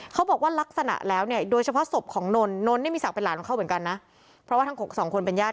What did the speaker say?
เขาบอกว่ารักษณะแหล่วโดยเฉพาะสมของนนท์